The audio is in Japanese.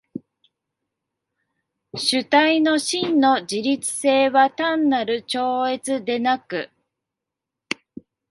主体の真の自律性は単なる超越でなく、